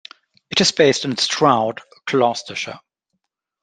It is based in Stroud, Gloucestershire.